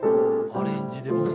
アレンジでもう。